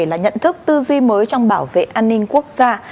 là nhận thức tư duy mới trong bảo vệ an ninh quốc gia